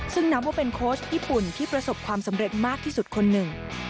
ซึ่งนับว่าเป็นโค้ชญี่ปุ่นที่ประสบความสำเร็จมากที่สุดคนหนึ่ง